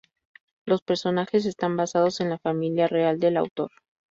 Los personajes están basados en la familia real del autor.